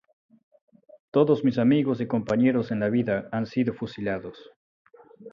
Todos mis amigos y compañeros en la vida han sido fusilados.